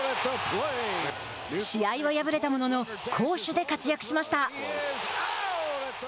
試合は敗れたものの攻守で活躍しました。